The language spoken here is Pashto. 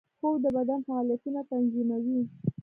خوب د بدن فعالیتونه تنظیموي